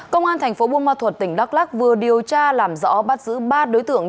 công an thành phố buôn ma thuật tỉnh đắk lắc vừa điều tra làm rõ bắt giữ ba đối tượng